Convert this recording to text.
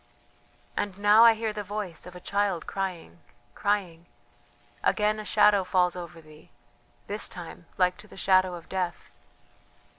"And now I hear the voice of a child crying, crying ... again a shadow falls over thee ... this time like to the shadow of death."